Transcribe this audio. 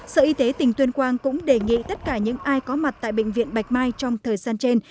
sở y tế tỉnh tuyên quang cũng đề nghị tất cả những ai có mặt tại bệnh viện bạch mai trong thời gian trên